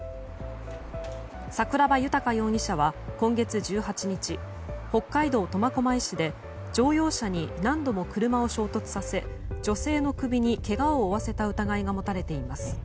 桜庭豊容疑者は今月１８日北海道苫小牧市で乗用車に何度も車を衝突させ女性の首にけがを負わせた疑いが持たれています。